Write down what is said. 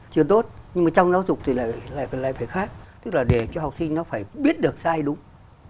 chưa tốt nhưng mà trong giáo dục thì lại phải khác tức là để cho học sinh nó phải biết được sai đúng